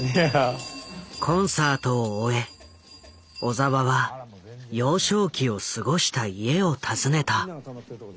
コンサートを終え小澤は幼少期を過ごした家を訪ねた。